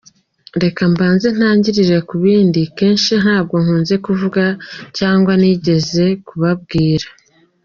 Reka mbanze ntagirire ku bindi kenshi nabwo nkunze kuvuga cyangwa nigize kubabwira.